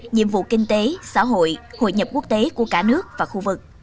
nhiệm vụ kinh tế xã hội hội nhập quốc tế của cả nước và khu vực